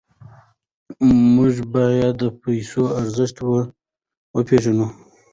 موږ باید د پیسو ارزښت وپېژنو.